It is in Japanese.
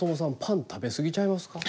パン食べ過ぎちゃいますか。